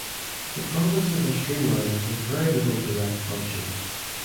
The provinces are "streamlined", with very little direct function.